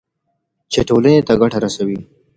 چې ټولنې ته ګټه رسوي.